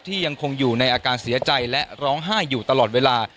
ยังคงอยู่ในอาการเสียใจและร้องไห้อยู่ตลอดเวลา